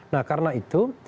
nah karena itu